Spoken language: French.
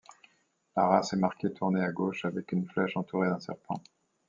La race est marquée tournée à gauche, avec une flèche entourée d'un serpent.